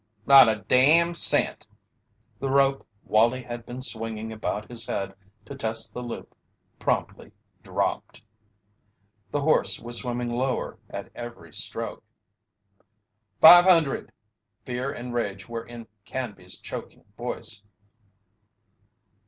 "Not a damn cent!" The rope Wallie had been swinging about his head to test the loop promptly dropped. The horse was swimming lower at every stroke. "Five hundred!" Fear and rage were in Canby's choking voice.